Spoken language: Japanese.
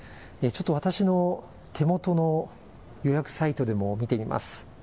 ちょっと私の手元の予約サイトでも見てみます。